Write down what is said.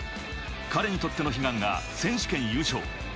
彼にとっての悲願が選手権優勝。